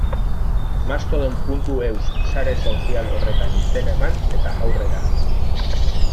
Mastodon.eus sare sozial horretan izena eman, eta aurrera.